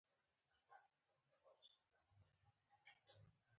دا توپیرونه د استثاري نظام د بڼې او جوړښت ترمنځ توپیر دی.